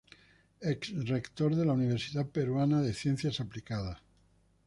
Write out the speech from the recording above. Ex-rector de la Universidad Peruana de Ciencias Aplicadas.